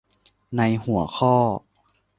ในหัวข้อ